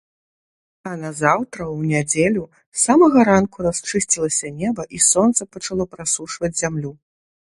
А назаўтра, у нядзелю, з самага ранку расчысцілася неба і сонца пачало прасушваць зямлю.